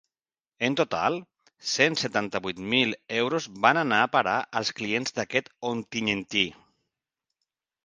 En total, cent setanta-vuit mil euros van anar a parar als clients d’aquest ontinyentí.